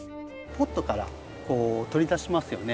ポットからこう取り出しますよね。